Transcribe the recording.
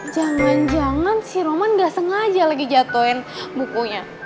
jangan jangan si roman gak sengaja lagi jatuhin bukunya